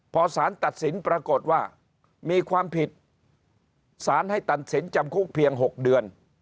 พอสารตัดสินปรากฏว่ามีความผิดสารให้ตัดสินจำคุกเพียง๖เดือน